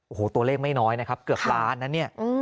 โอ้โหตัวเลขไม่น้อยนะครับเกือบล้านนะเนี่ย